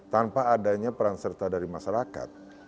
tanpa adanya peran serta dari masyarakat